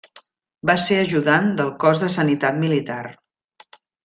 Va ser ajudant del Cos de Sanitat Militar.